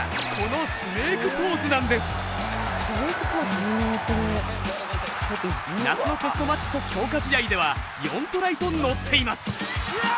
スネークポーズ？夏のテストマッチと強化試合では４トライと乗っています。